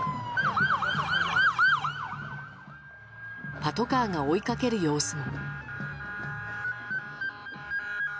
パトカーが追いかける様子も。